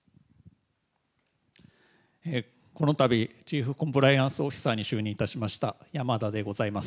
このたびチーフコンプライアンスオフィサーに就任いたしました山田でございます。